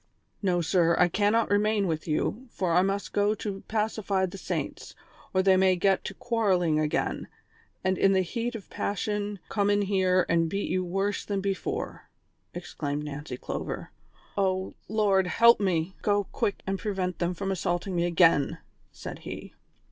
"No, sir, I cannot remain with you, for I must go to pacify the saints, or they may get to quarrelling again, and in the heat of passion come in here and beat you worse than before," exclaimed Nancy Clover. " O the Lord help me I go quick and prevent them from assaulting me again," said he.